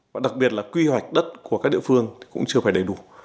và đặc biệt là quy hoạch đất của các địa phương cũng chưa phải đầy đủ